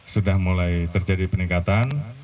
sudah mulai terjadi peningkatan